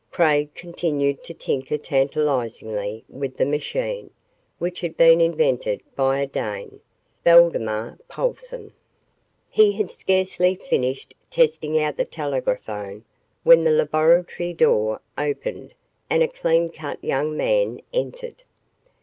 Craig continued to tinker tantalizingly with the machine which had been invented by a Dane, Valdemar Poulsen. He had scarcely finished testing out the telegraphone, when the laboratory door opened and a clean cut young man entered.